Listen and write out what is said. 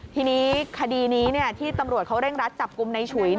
ทีนี้คดีนี้ที่ตำรวจเขาเร่งรัดจับกลุ่มในฉุย